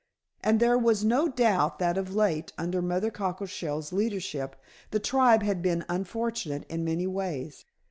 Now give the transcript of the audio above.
And there was no doubt that of late, under Mother Cockleshell's leadership, the tribe had been unfortunate in many ways.